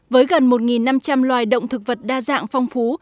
với gần một năm trăm linh loài động thực vật đa dạng phong phú